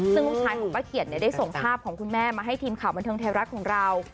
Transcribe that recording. ซึ่งลูกชายของป้าเขียนได้ส่งภาพของคุณแม่มาให้ทีมข่าวบันเทิงไทยรัฐของเรา